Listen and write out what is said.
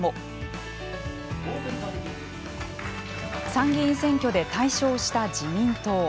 参議院選挙で大勝した自民党。